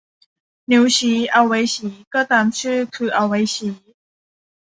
นิ้วชี้ เอาไว้ชี้ ก็ตามชื่อ คือเอาไว้ชี้